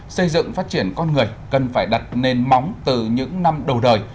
xây dựng phát triển con người cần phải đặt nền móng từ những năm đầu đời